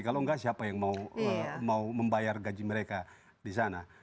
kalau enggak siapa yang mau membayar gaji mereka di sana